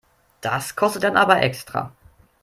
Das kostet dann aber extra.